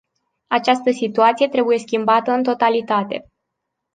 Această situație trebuie schimbată în totalitate.